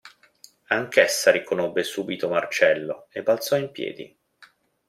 Anch'essa riconobbe subito Marcello e balzò in piedi.